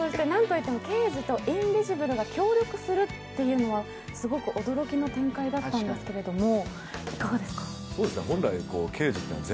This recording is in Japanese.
何といっても、刑事とインビジブルが協力するというのはすごく驚きの展開だったんですけれども、いかがですか？